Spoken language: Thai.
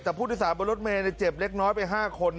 แต่ผู้โดยสารบนรถเมย์เจ็บเล็กน้อยไป๕คน